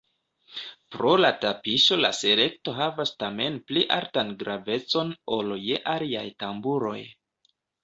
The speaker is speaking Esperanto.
Pro la tapiŝo la selekto havas tamen pli altan gravecon ol je aliaj tamburoj.